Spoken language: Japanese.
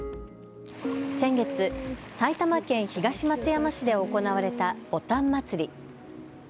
先月、埼玉県東松山市で行われたぼたん祭り。